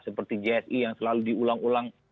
seperti jsi yang selalu diulang ulang